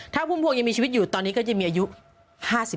ถ้าพุ่มพวงยังมีชีวิตอยู่ตอนนี้ก็จะมีอายุ๕๓